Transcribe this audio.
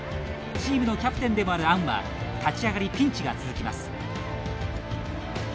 チームのキャプテンでもあるアンは立ち上がりピンチが続きます。